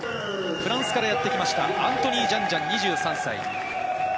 フランスからやってきました、アントニー・ジャンジャン２３歳。